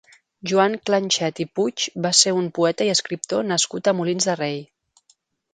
Joan Clanchet i Puig va ser un poeta i escriptor nascut a Molins de Rei.